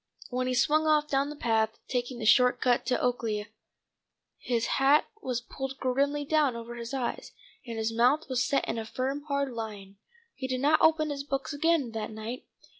When he swung off down the path, taking the short cut to Oaklea, his hat was pulled grimly down over his eyes, and his mouth was set in a firm hard line. He did not open his books again that night.